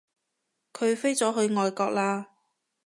佢飛咗去外國喇